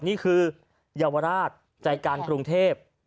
นี่คือเยาวราชใจการกรุงเทพ